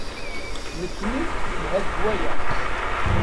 Nekkni nelha deg waya.